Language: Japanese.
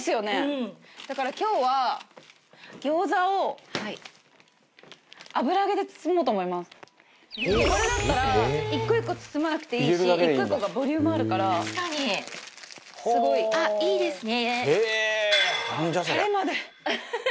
だから今日はこれだったら１個１個包まなくていいし１個１個がボリュームあるからすごい。あっいいですね！